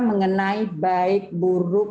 mengenai baik buruk